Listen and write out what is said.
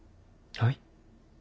はい？